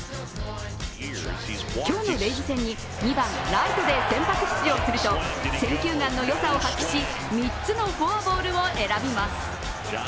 今日のレイズ戦に２番ライトで先発出場すると選球眼のよさを発揮し３つのフォアボールを選びます。